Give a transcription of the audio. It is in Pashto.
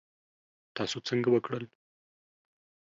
تاسو څنګه وکړل؟